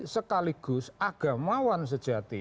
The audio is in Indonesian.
sekaligus agamawan sejati